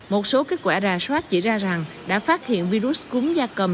một số kết quả rà soát chỉ ra rằng đã phát hiện virus cúm da cầm